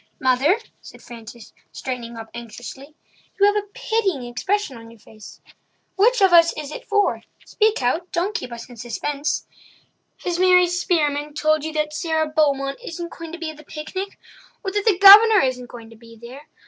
"Mother," said Frances, straightening up anxiously, "you have a pitying expression on your face. Which of us is it for—speak out—don't keep us in suspense. Has Mary Spearman told you that Sara Beaumont isn't going to be at the picnic?" "Or that the Governor isn't going to be there?"